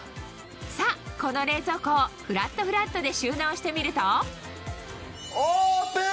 さぁこの冷蔵庫をフラットフラットで収納してみるとオープン！